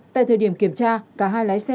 tại thời điểm kiểm tra cả hai lái xe